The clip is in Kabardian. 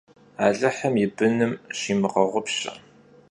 Alıhım yi bınım şimığeğupşe.